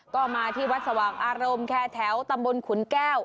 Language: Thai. ก็มาที่วัดสว่างอารมณ์แคร์แถวตำบลขุนแก้ว